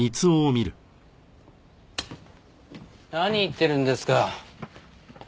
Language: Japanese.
何言ってるんですか。